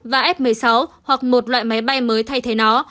và s một mươi sáu hoặc một loại máy bay mới thay thế nó